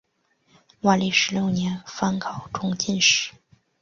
万历十六年方考中进士。